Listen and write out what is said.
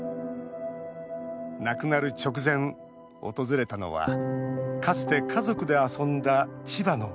亡くなる直前、訪れたのはかつて家族で遊んだ千葉の海。